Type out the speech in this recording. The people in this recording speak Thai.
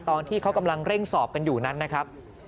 ตอนที่เขากำลังเร่งสอบกันอยู่นั้นนะครับ